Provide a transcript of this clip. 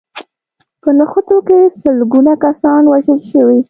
په نښتو کې سلګونه کسان وژل شوي